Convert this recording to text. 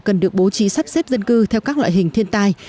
cần được bố trí sắp xếp dân cư theo các loại hình thiên tai